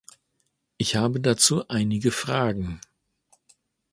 Ich habe dazu einige Fragen.